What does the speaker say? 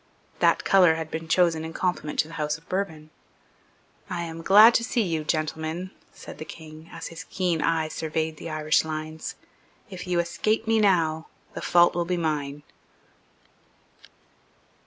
That colour had been chosen in compliment to the House of Bourbon. "I am glad to see you, gentlemen," said the King, as his keen eye surveyed the Irish lines. "If you escape me now, the fault will be mine."